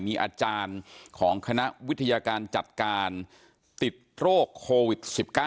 มีอาจารย์ของคณะวิทยาการจัดการติดโรคโควิด๑๙